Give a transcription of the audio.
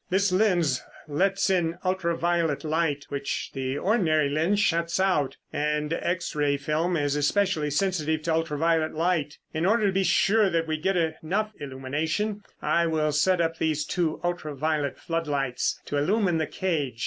This lens lets in ultra violet light which the ordinary lens shuts out, and X ray film is especially sensitive to ultra violet light. In order to be sure that we get enough illumination, I will set up these two ultra violet floodlights to illumine the cage.